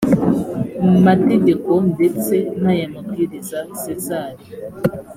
mategeko ndetse n aya mabwiriza sezar